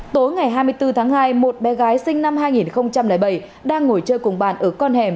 tối ngày hai mươi bốn tháng hai một bé gái sinh năm hai nghìn bảy đang ngồi chơi cùng bạn ở con hẻm